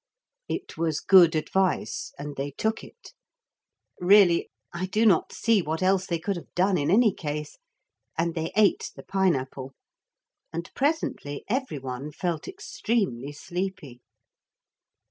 It was good advice and they took it. Really I do not see what else they could have done in any case. And they ate the pine apple. And presently every one felt extremely sleepy.